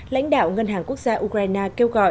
lãnh đạo ngân hàng quốc gia ukraine kêu gọi